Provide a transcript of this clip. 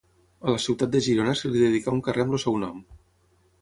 A la ciutat de Girona se li dedicà un carrer amb el seu nom.